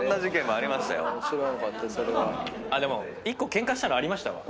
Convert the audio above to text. １個ケンカしたのありましたわ。